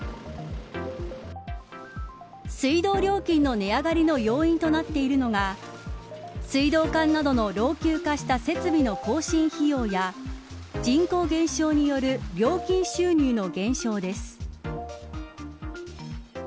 水道料金の値上がりの要因となっているのが水道管などの老朽化した設備の更新費用や人口減少による料金収入の減少です。